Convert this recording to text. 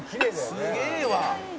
「すげえわ！」